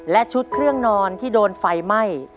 และชุดเครื่องนอนที่โดนไฟไหม้